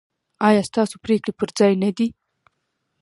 ایا ستاسو پریکړې پر ځای نه دي؟